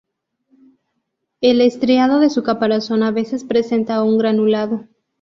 El estriado de su caparazón a veces presenta un granulado.